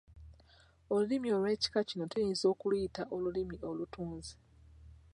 Olulimi olw'ekika kino tuyinza okuluyita olulimi olutunzi.